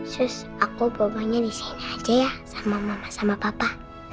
sus aku bawa bawanya disini aja ya sama mama sama papa